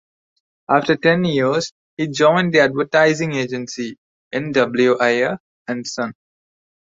After ten years, he joined the advertising agency N. W. Ayer and Son.